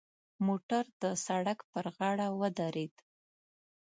موټر د سړک پر غاړه ودرید.